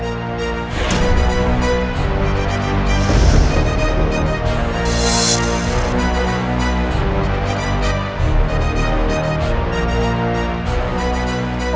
untuk memaafkan ratu gendeng